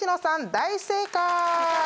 大正解！